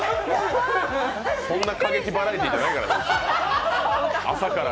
そんな過激バラエティーじゃないから。